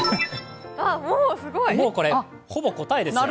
もうこれ、ほぼ答えですね。